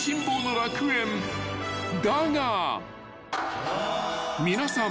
［だが皆さん］